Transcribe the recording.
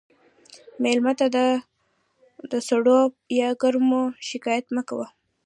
مېلمه ته د سړو یا ګرمو شکایت مه کوه.